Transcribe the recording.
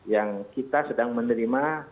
yang kita sedang menerima